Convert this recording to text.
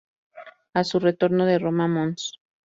A su retorno de Roma, Mons.